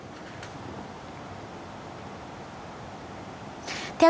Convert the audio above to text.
theo hiệp thông